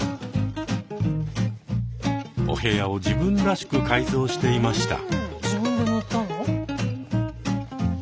お部屋を自分らしく改造していました。